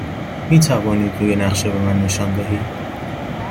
می توانید روی نقشه به من نشان دهید؟